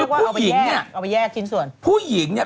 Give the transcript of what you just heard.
น่ะคือพูหญิงเนี่ย